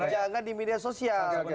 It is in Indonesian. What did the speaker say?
jangan di media sosial